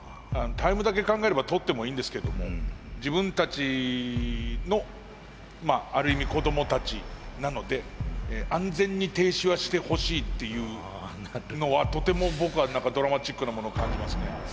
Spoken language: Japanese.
タイムだけ考えれば取ってもいいんですけども自分たちのある意味子供たちなので安全に停止はしてほしいっていうのはとても僕は何かドラマチックなものを感じますね。